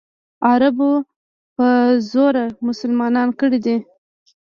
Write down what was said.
عربو په زوره مسلمانان کړي دي.